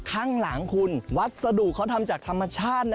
ข้างหลังคุณวัสดุเขาทำจากธรรมชาตินะ